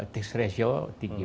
teks rasio tinggi